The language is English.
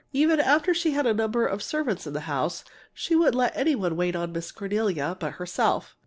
Even after she had a number of servants in the house, she wouldn't let any one wait on Miss Cornelia but herself.